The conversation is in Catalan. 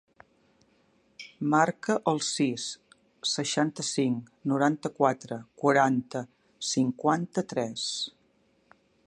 Marca el sis, seixanta-cinc, noranta-quatre, quaranta, cinquanta-tres.